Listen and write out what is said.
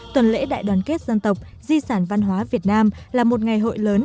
tuần lễ đại đoàn kết dân tộc di sản văn hóa việt nam là một ngày hội lớn